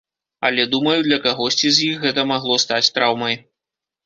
Але, думаю, для кагосьці з іх гэта магло стаць траўмай.